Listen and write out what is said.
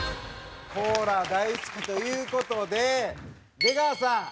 コーラ大好きという事で出川さん。